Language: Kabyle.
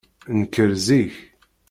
Nker zik.